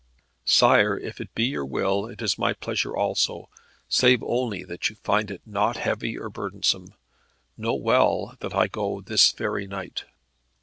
"Sire, if it be your will it is my pleasure also; save, only, that you find it not heavy or burdensome. Know well that I go this very night."